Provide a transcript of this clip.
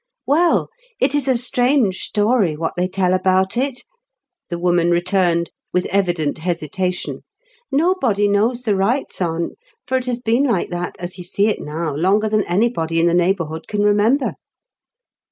" Well, it is a strange story what they tell about it," the woman returned, with evident hesitation. " Nobody knows the rights on\ for it has been like that, as you see it now, longer thsm anybody in Ae neighbourhood can remember."